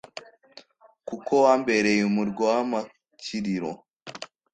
kuko wambereye umurwa w'amakiriro